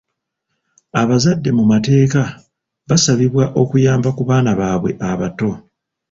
Abazadde mu mateeka basabibwa okuyamba ku baana baabwe abato.